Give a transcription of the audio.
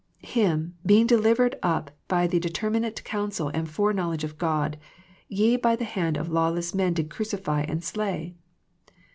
" Him, being delivered up by the determinate counsel and foreknowledge of God, ye by the hand of lawless men did crucify and slay."